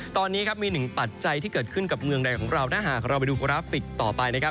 ตอนนี้ครับมีหนึ่งปัจจัยที่เกิดขึ้นกับเมืองใดของเราถ้าหากเราไปดูกราฟิกต่อไปนะครับ